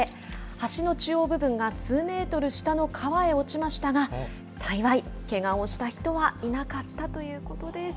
橋の中央部分が、数メートル下の川へ落ちましたが、幸い、けがをした人はいなかったということです。